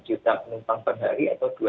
satu lima juta penumpang per hari atau